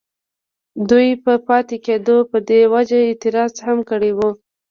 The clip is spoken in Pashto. ددوي پۀ پاتې کيدو پۀ دې وجه اعتراض هم کړی وو،